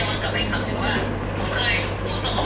นำไปอีก๘วันได้ไงพอทำ